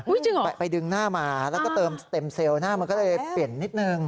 อุ้ยจริงเหรอไปดึงหน้ามาแล้วก็เติมเซลหน้ามาก็เลยเปลี่ยนนิดหนึ่ง